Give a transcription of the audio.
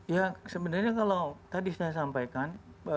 ya sebenarnya kalau tadi saya sampaikan